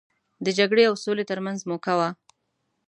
د جګړې او سولې ترمنځ موکه وه.